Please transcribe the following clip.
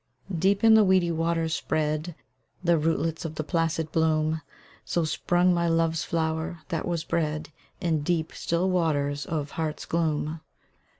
Deep in the weedy waters spread The rootlets of the placid bloom: So sprung my love's flower, that was bred In deep, still waters of heart's gloom.